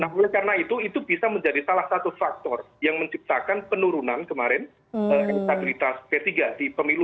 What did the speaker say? nah oleh karena itu itu bisa menjadi salah satu faktor yang menciptakan penurunan kemarin elektabilitas p tiga di pemilu dua ribu sembilan belas